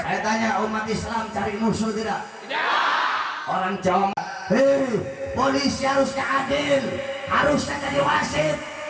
orang jokowi polisi harus keadil harusnya jadi wasit